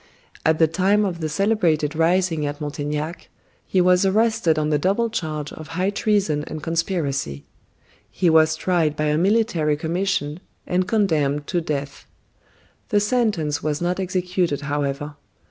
At the time of the celebrated rising at Montaignac, he was arrested on the double charge of high treason and conspiracy. He was tried by a military commission, and condemned to death. The sentence was not executed, however.